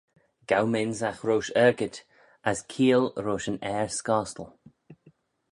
Gow my ynsagh roish argid, as keeayl roish yn airh s'costal.